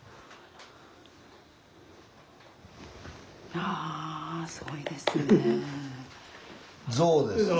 ああすごいですね。